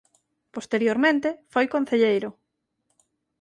Posteriormente foi concelleiro.